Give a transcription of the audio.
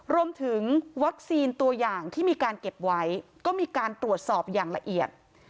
รวมถึงวัคซีนตัวอย่างที่มีการเก็บไว้ก็มีการตรวจสอบอย่างละเอียด